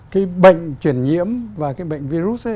cái bệnh chuyển nhiễm và cái bệnh virus